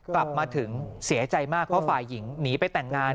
กลับมาถึงเสียใจมากเพราะฝ่ายหญิงหนีไปแต่งงาน